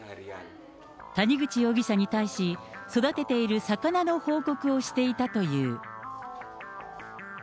谷口容疑者に対し、育てている魚の報告をしていたという。